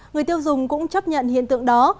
người tiêu dùng cũng chấp nhận hiện tượng đó